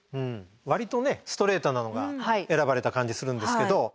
割とねストレートなのが選ばれた感じするんですけど。